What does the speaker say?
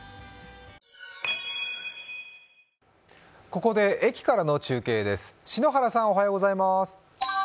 ここで駅からの中継です。